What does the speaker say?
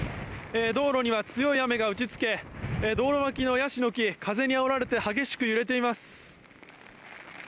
道路には強い雨が打ち付け道路脇のヤシの木は強い風にあおられて激しく揺れています。